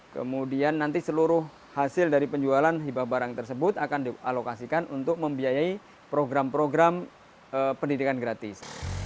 kemudian nanti seluruh hasil dari penjualan hibah barang tersebut akan dialokasikan untuk membiayai program program pendidikan gratis